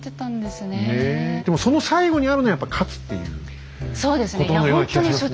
でもその最後にあるのはやっぱり勝つということのような気がしますね。